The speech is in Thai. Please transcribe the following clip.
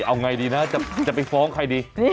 เอาไงดีนะจะไปฟ้องใครดี